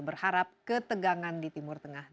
berharap ketegangan di timur tengah